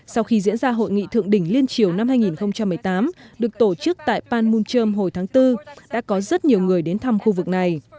sau khi diễn ra hội nghị thượng đỉnh liên triều năm hai nghìn một mươi tám được tổ chức tại panmunjom hồi tháng bốn đã có rất nhiều người đến thăm khu vực này